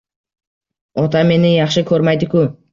Otam meni yaxshi ko'rmaydiku.